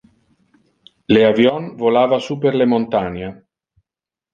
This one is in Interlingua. Le avion volava super le montania.